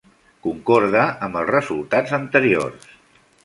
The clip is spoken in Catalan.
Concorda amb els resultats anteriors.